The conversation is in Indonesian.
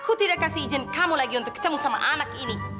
aku tidak kasih izin kamu lagi untuk ketemu sama anak ini